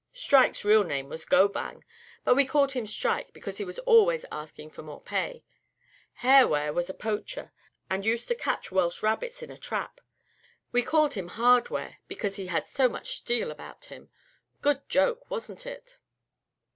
Strike's real name was Gobang; but we called him Strike, because he was always asking for more pay. Hare Ware was a poacher and used to catch Welsh rabbits in a trap; we called him 'Hardware' because he had so much steal about him. Good joke, wasn't it?"